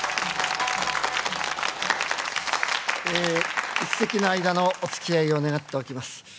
え一席の間のおつきあいを願っておきます。